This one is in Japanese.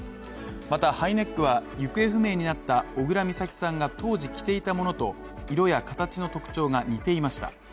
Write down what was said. またハイネックは行方不明になった小倉美咲さんが当時着ていたものと、色や形の特徴が似ていました。